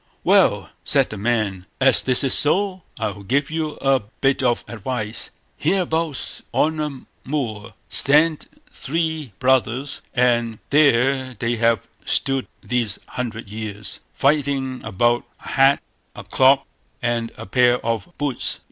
"Well!" said the man, "as this is so, I'll give you a bit of advice. Hereabouts, on a moor, stand three brothers, and there they have stood these hundred years, fighting about a hat, a cloak, and a pair of boots.